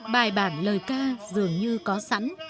bài bản lời ca dường như có sẵn